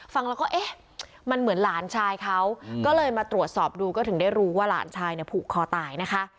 ฟังแล้วก็เอ๊ะมันเหมือนหลานชายเขาก็เลยมาตรวจสอบดูก็ถึงได้รู้ว่าหลานชายเนี่ยผูกคอตายนะคะ